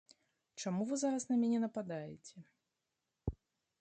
Чаму вы зараз на мяне нападаеце?